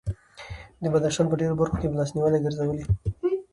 د بدخشان په ډېرو برخو کې مو لاس نیولي ګرځوي.